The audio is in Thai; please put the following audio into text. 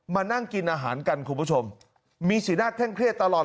มานั่งกินอาหารกันคุณผู้ชมมีสีหน้าแข้งเครียดตลอด